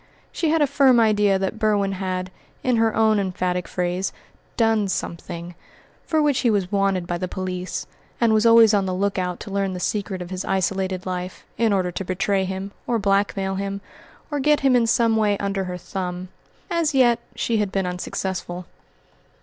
She had a firm idea that Berwin had, in her own emphatic phrase, "done something" for which he was wanted by the police, and was always on the look out to learn the secret of his isolated life, in order to betray him, or blackmail him, or get him in some way under her thumb. As yet she had been unsuccessful.